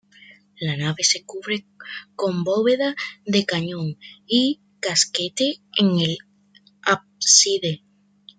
La nave se cubre con bóveda de cañón y casquete en el ábside.